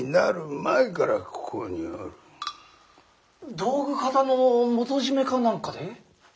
道具方の元締めか何かで？